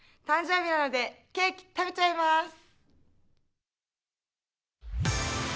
誕生日なのでケーキ、食べちゃいます。